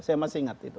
saya masih ingat itu